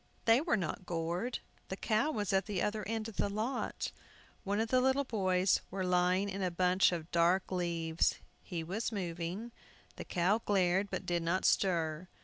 They were not gored. The cow was at the other end of the lot. One of the little boys were lying in a bunch of dark leaves. He was moving. The cow glared, but did not stir.